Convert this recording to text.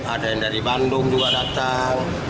ada yang dari bandung juga datang